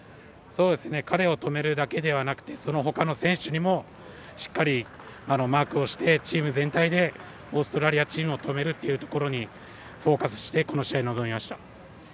彼を止めるだけではなくてそのほかの選手にもしっかり、マークをしてチーム全体でオーストラリアチームを止めるっていうところにフォーカスしてこの試合に臨みました。